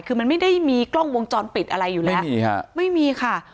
คือมันไม่ได้มีกล้องวงจรปิดอะไรอยู่แล้วไม่มีค่ะ